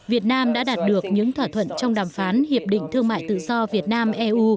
việt nam đã đạt được những thỏa thuận trong đàm phán hiệp định thương mại tự do việt nam eu